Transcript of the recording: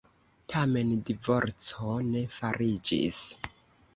Tamen divorco ne fariĝis.